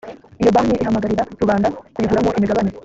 iyo banki ihamagarira rubanda kuyiguramo imigabane